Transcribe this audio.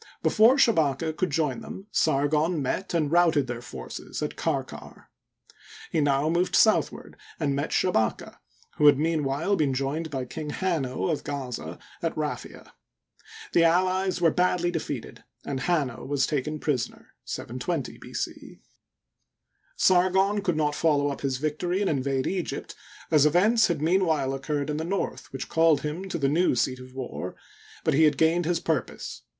Before Shabaka could join them, Sargon met and routed their forces at Karkar, He now moved southward, and met Shabaka, who had meanwhile been joined by King Hanno, of Gaza, at Raphia. The allies were badly de feated, and Hanno was taken prisoner (720 B. c). Sar Digitized byCjOOQlC y Google y Google AETHIOPIANS AND ASSYRIANS IN EGYPT, 119 gon could not follow up his victory and invade Egypt, as events had meanwhile occurred in the north which called him to the new seat of war ; but he had gained his pur pose.